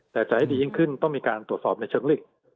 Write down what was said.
แต่จะให้ดียิ่งขึ้นต้องมีการตรวจสอบในเชิงลึก